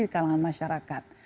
di kalangan masyarakat